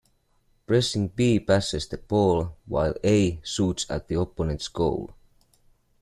Pressing B passes the ball, while A shoots at the opponent's goal.